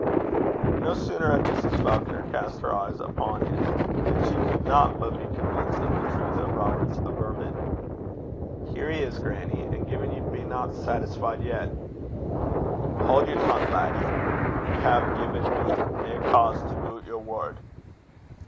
No sooner had Mrs. Falconer cast her eyes upon him than she could not but be convinced of the truth of Robert's averment. 'Here he is, grannie; and gin ye bena saitisfeed yet ' 'Haud yer tongue, laddie. Ye hae gi'en me nae cause to doobt yer word.'